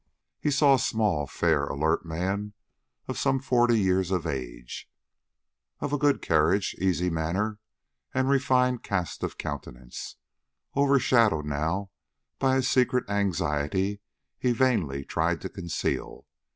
He saw a small, fair, alert man, of some forty years of age, of a good carriage, easy manner, and refined cast of countenance, overshadowed now by a secret anxiety he vainly tried to conceal.